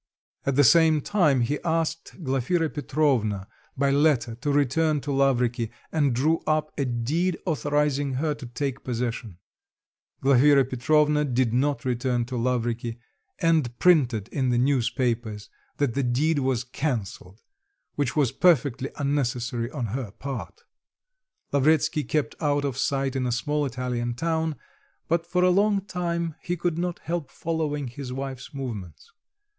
At the same time he asked Glafira Petrovna by letter to return to Lavriky, and drew up a deed authorising her to take possession; Glafira Petrovna did not return to Lavriky, and printed in the newspapers that the deed was cancelled, which was perfectly unnecessary on her part. Lavretsky kept out of sight in a small Italian town, but for a long time he could not help following his wife's movements.